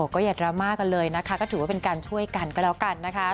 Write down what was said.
ก็อย่าดราม่ากันเลยนะคะก็ถือว่าเป็นการช่วยกันก็แล้วกันนะคะ